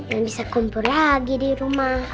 bisa kumpur lagi di rumah